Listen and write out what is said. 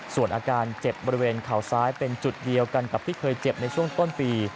ส่วนอาการเจ็บบริเวณเข่าซ้ายเป็นจุดเดียวกันกับที่เคยเจ็บในช่วงต้นปี